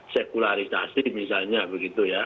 sekularisasi misalnya begitu ya